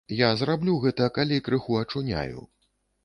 Я зраблю гэта, калі крыху ачуняю.